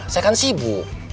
saya kan sibuk